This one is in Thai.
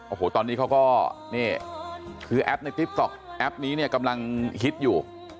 โอ้โหตอนนี้เขาก็นี่คือแอปในติ๊กต๊อกแอปนี้เนี่ยกำลังฮิตอยู่